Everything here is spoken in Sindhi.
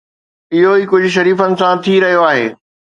اهو ئي ڪجهه شريفن سان ٿي رهيو آهي.